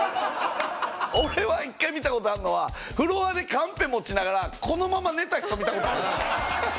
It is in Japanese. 俺は一回見た事あるのはフロアでカンペ持ちながらこのまま寝た人見た事ある。